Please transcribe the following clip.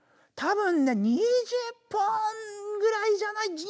たぶんね２０本ぐらいじゃない？